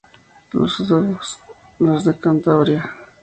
Los de Cantabria.